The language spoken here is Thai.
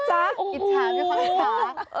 อิจฉาวที่เขาเหาะรักจ๊ะ